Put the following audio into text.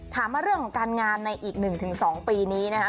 มาเรื่องของการงานในอีก๑๒ปีนี้นะคะ